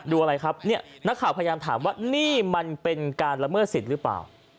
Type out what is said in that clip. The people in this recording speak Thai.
ดูอะไรครับเนี่ยนักข่าวพยายามถามว่านี่มันเป็นการละเมิดสิทธิ์หรือเปล่า